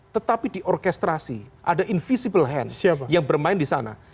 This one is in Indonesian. tetapi diorkestrasi ada invisible hand yang bermain di sana